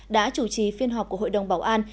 đã chủ trì phiên họp của hội đồng bảo an